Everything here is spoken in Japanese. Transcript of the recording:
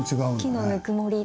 木のぬくもり。